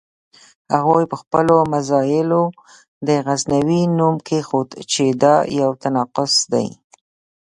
هغوی په خپلو مزایلو د غزنوي نوم کېښود چې دا یو تناقض دی.